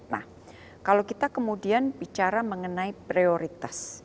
nah kalau kita kemudian bicara mengenai prioritas